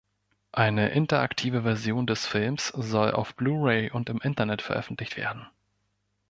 Eine interaktive Version des Films soll auf Blu-Ray und im Internet veröffentlicht werden.